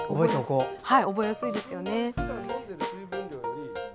覚えやすいですよね。